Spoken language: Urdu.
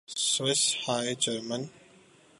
Swiss high German